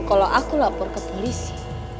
kalau aku lapor ke polisi